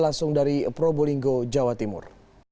langsung dari probolinggo jawa timur